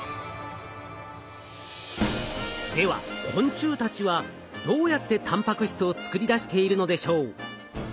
昆虫たちはどうやってたんぱく質を作り出しているのでしょう。